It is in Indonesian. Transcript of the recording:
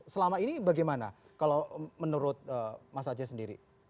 selama ini bagaimana kalau menurut mas aceh sendiri